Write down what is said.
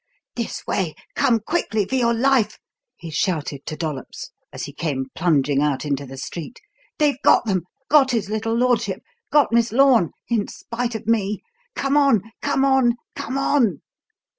"This way! come quickly, for your life!" he shouted to Dollops, as he came plunging out into the street. "They've got them got his little lordship! Got Miss Lorne in spite of me. Come on! come on! come on!"